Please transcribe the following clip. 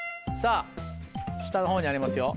下の方にありますよ。